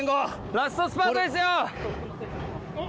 ラストスパートですよ。